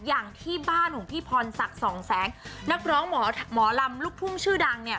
อย่างที่บ้านของพี่พรศักดิ์สองแสงนักร้องหมอหมอลำลูกทุ่งชื่อดังเนี่ย